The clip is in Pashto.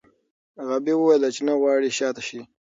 غابي وویل چې نه غواړي شا ته شي.